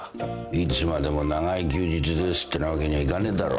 いつまでも長い休日ですってなわけにはいかねえだろ。